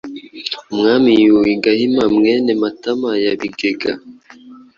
Umwami Yuhi Gahima mwene Matama ya Bigega